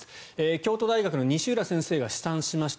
京都大学の西浦先生が試算しました。